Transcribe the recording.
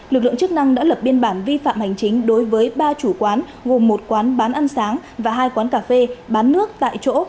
lực lượng chức năng đã lập biên bản vi phạm hành chính đối với ba chủ quán gồm một quán bán ăn sáng và hai quán cà phê bán nước tại chỗ